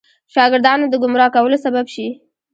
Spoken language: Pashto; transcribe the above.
شاګردانو د ګمراه کولو سبب شي.